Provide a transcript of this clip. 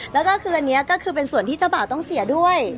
แล้วก็คืออันนี้ก็คือเป็นส่วนที่เจ้าบ่าวต้องเสียด้วย